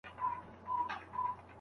که څه هم ددوی والدين وي.